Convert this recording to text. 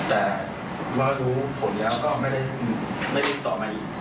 แต่ว่ารู้ผลแล้วก็ไม่ได้ติดต่อมาอีก